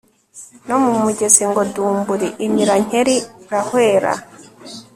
no mu mugezi ngo « dumbuli!» imira nkeli, rahwera